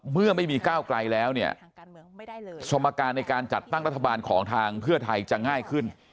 เมื่อไม่มีก้าวไกลแล้วเนี่ยสมการในการจัดตั้งรัฐบาลของทางเพื่อไทยจะง่ายขึ้น